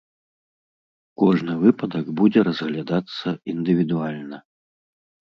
Кожны выпадак будзе разглядацца індывідуальна.